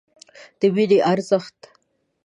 د مینې ارزښت